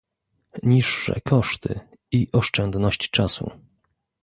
Niższe koszty i oszczędność czasu